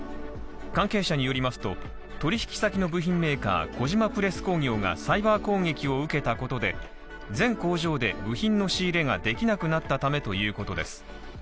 関係者によりますと、取引先の部品メーカー、小島プレス工業がサイバー攻撃を受けたことで、全工場で部品の仕入れができなくなったためということです。